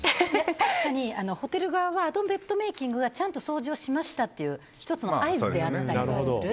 確かにホテル側はあのベッドメイキングはちゃんと掃除をしましたという１つの合図だったりする。